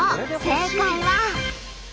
正解は。